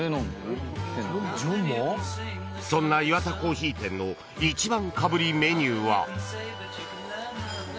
［そんなイワタコーヒー店の１番かぶりメニューは］